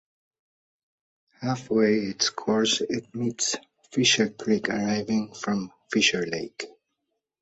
Half way its course it meets Fisher Creek arriving from Fisher Lake.